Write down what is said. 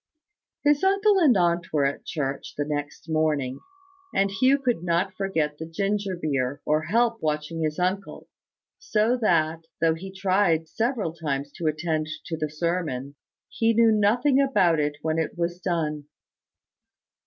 His uncle and aunt were at church the next morning; and Hugh could not forget the ginger beer, or help watching his uncle: so that, though he tried several times to attend to the sermon; he knew nothing about it when it was done.